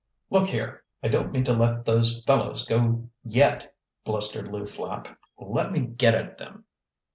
"Look here, I don't mean to let those fellows go yet," blustered Lew Flapp. "Let me get at them."